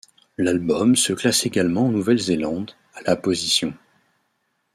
L'album se classe également en Nouvelle-Zélande, à la position.